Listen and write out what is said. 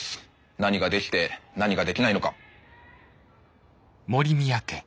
何ができて何ができないのか。